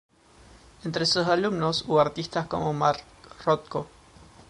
Entre sus alumnos hubo artistas como Mark Rothko.